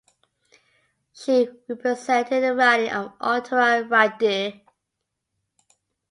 She represented the riding of Ottawa-Rideau.